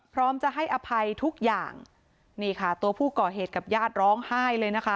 พร้อมจะให้อภัยทุกอย่างนี่ค่ะตัวผู้ก่อเหตุกับญาติร้องไห้เลยนะคะ